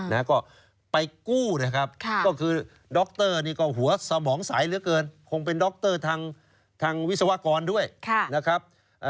แล้วก็ไปกู้นะครับก็คือด็อกเตอร์นี่ก็หัวสมองสายเหลือเกินคงเป็นด็อกเตอร์ทางวิศวกรด้วยนะครับ